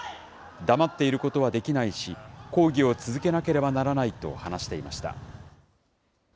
黙っていることはできないし、抗議を続けなければならないと話していました。